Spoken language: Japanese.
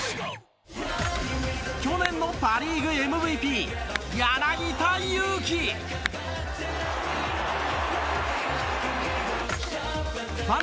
去年のパ・リーグＭＶＰ柳田悠岐ファン